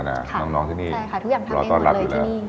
ใช่ค่ะทุกอย่างทำเองหมดเลยที่นี่รอตอนรักอยู่แล้ว